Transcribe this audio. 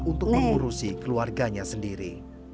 untuk mengurusi keluarganya sendiri